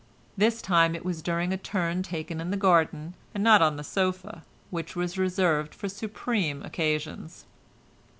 This time it was during a turn taken in the garden, and not on the sofa—which was reserved for supreme occasions.